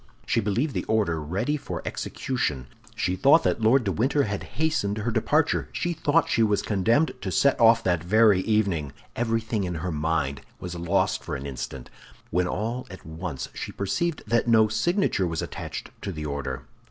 She believed the order ready for execution. She thought that Lord de Winter had hastened her departure; she thought she was condemned to set off that very evening. Everything in her mind was lost for an instant; when all at once she perceived that no signature was attached to the order.